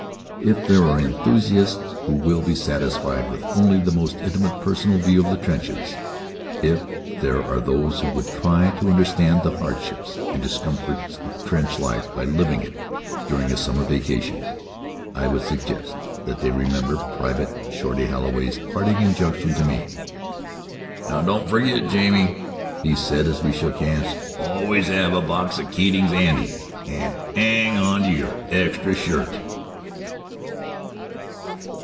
If there are enthusiasts who will be satisfied with only the most intimate personal view of the trenches, if there are those who would try to understand the hardships and discomforts of trench life by living it during a summer vacation, I would suggest that they remember Private Shorty Holloway's parting injunction to me: "Now, don't ferget, Jamie!" he said as we shook hands, "always 'ave a box o' Keatings 'andy, an' 'ang on to yer extra shirt!"